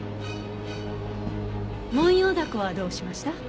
モンヨウダコはどうしました？